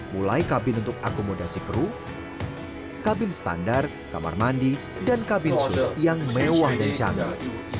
mulai kabin untuk akomodasi kru kabin standar kamar mandi dan kabin su yang mewah dan canggih